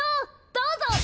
どうぞ！